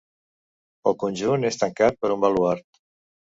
El conjunt és tancat per un baluard.